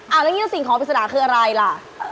แล้วก็คิดว่าสิ่งของปริศนาคืออะไรล่ะ